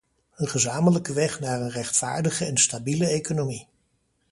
Een gezamenlijke weg naar een rechtvaardige en stabiele economie.